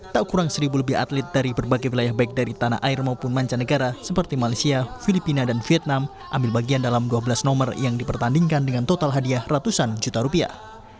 tak kurang seribu lebih atlet dari berbagai wilayah baik dari tanah air maupun mancanegara seperti malaysia filipina dan vietnam ambil bagian dalam dua belas nomor yang dipertandingkan dengan total hadiah ratusan juta rupiah